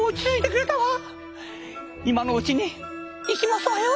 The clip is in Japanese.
今のうちにいきますわよ！